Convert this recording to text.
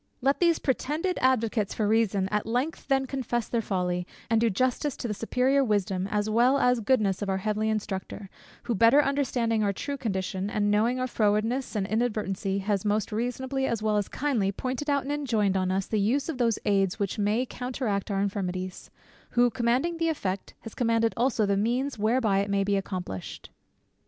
Let these pretended advocates for reason at length then confess their folly, and do justice to the superior wisdom as well as goodness of our heavenly Instructor, who better understanding our true condition, and knowing our frowardness and inadvertency, has most reasonably as well as kindly pointed out and enjoined on us the use of those aids which may counteract our infirmities; who commanding the effect, has commanded also the means whereby it may be accomplished.